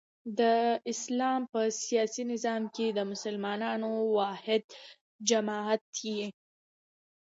د اسلام په سیاسي نظام کښي د مسلمانانو واحد جماعت يي.